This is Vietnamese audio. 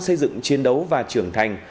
xây dựng chiến đấu và trưởng thành